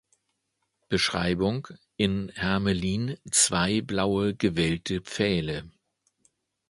Beschreibung: In Hermelin zwei blaue gewellte Pfähle.